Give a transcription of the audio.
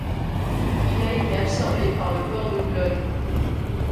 Il a été absorbé par le port de Boulogne.